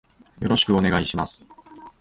よろしくお願いします。